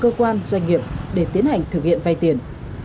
cơ quan doanh nghiệp để tiến hành thực hiện vay tiền